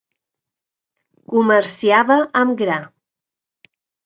Comerciava amb gra.